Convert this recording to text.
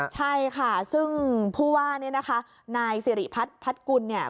ใช่ค่ะซึ่งผู้ว่าเนี่ยนะคะนายสิริพัฒน์พัดกุลเนี่ย